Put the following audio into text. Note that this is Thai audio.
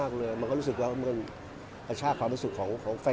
ก็ไม่รู้จะพูดว่าอย่างไร